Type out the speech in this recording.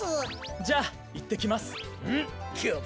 じゃあいってきます。